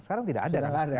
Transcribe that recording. sekarang tidak ada